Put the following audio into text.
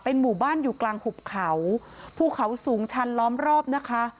หมู่บ้านอยู่กลางหุบเขาภูเขาสูงชันล้อมรอบนะคะ